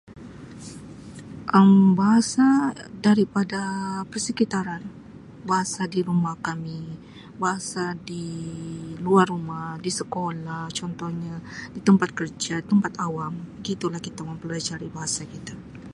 Um Bahasa daripada persekitaran. Bahasa di rumah kami. Bahasa di luar rumah, di sekolah contohnya. Di tempat kerja, tempat awam gitu lah kita mempelajari bahasa kita.